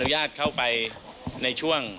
ญาตเข้าไปในช่วง